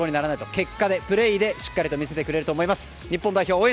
結果で、プレーでしっかり見せてくれると思います。